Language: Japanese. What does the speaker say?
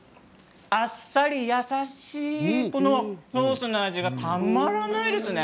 あっさり優しいソースの味がたまらないですね。